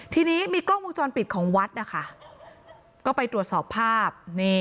ทีนี้มีกล้องวงจรปิดของวัดนะคะก็ไปตรวจสอบภาพ